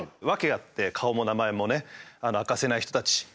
ワケあって顔も名前もね明かせない人たち。